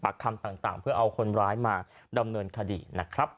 คำต่างเพื่อเอาคนร้ายมาดำเนินคดีนะครับ